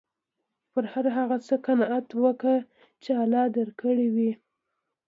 په هر هغه څه قناعت وکه، چي الله درکړي يي.